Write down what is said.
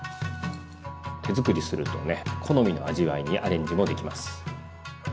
手づくりするとね好みの味わいにアレンジもできます。